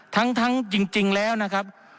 ทั้งจริงแล้วนะครับ